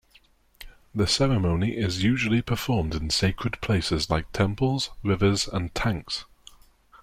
The ceremony is usually performed in sacred places like temples, rivers and tanks.